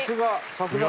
さすが！